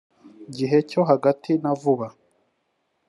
gihe cyo hagati na vuba